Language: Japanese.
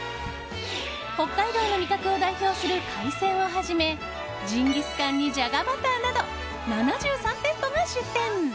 北海道の味覚を代表する海鮮をはじめジンギスカンにじゃがバターなど７３店舗が出店。